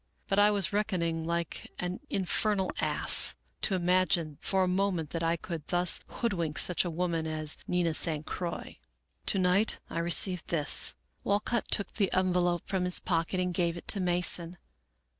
But I was reckoning like an in fernal ass, to imagine for a moment that I could thus hood wink such a woman as Nina San Croix. " To night I received this." Walcott took the envelope from his pocket and gave it to Mason.